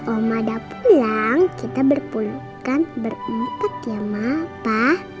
kalau om ada pulang kita berpelukan berempat ya ma pa